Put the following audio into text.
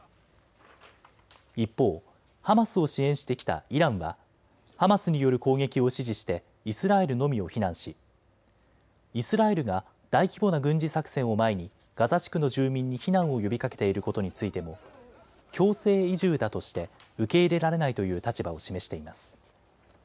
一方、ハマスを支援してきたイランはハマスによる攻撃を支持してイスラエルのみを非難しイスラエルが大規模な軍事作戦を前にガザ地区の住民に避難を呼びかけていることについても強制移住だとして受け入れられないという立場を示しています。